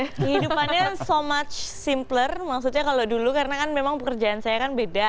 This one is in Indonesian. kehidupannya so much simpler maksudnya kalau dulu karena kan memang pekerjaan saya kan beda